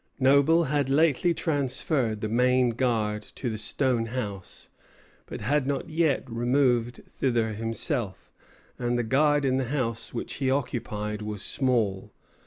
Noble had lately transferred the main guard to the stone house, but had not yet removed thither himself, and the guard in the house which he occupied was small.